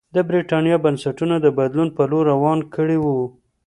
د برېټانیا بنسټونه د بدلون په لور روان کړي وو.